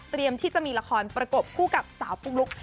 ที่จะมีละครประกบคู่กับสาวปุ๊กลุ๊ก